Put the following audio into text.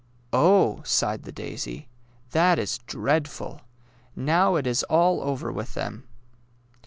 ^^ Oh! " sighed the daisy, '^ that is dreadful! Now it is all over with them!